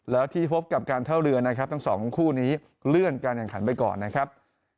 แล้วที่พบกับการท่าเรือนะครับทั้งสองคู่นี้เลื่อนการแข่งขันไปก่อนนะครับ